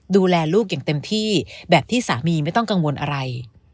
ดูแลลูกอย่างเต็มที่แบบที่สามีไม่ต้องกังวลอะไร